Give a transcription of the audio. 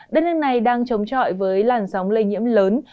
đất nước này đang chống chọi với làn sóng lây nhiễm lớn